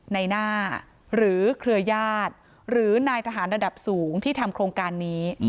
ในหน้าหรือเครือญาติหรือนายทหารระดับสูงที่ทำโครงการนี้